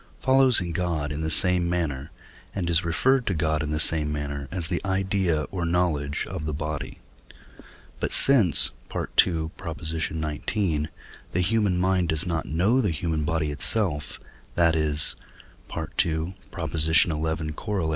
follows in God in the same manner, and is referred to God in the same manner, as the idea or knowledge of the body. But since (II. xix.) the human mind does not know the human body itself, that is (II. xi. Coroll.)